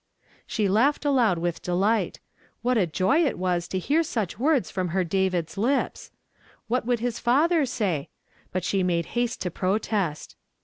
She laughed aloud with delight. AVhat a joy it was to heai sui'h woids from her David's lips ! ^Vhiit A\'ould his father say? But she made haste to i)rotest.